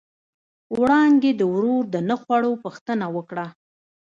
وړانګې د ورور د نه خوړو پوښتنه وکړه.